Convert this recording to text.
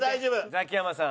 ザキヤマさん。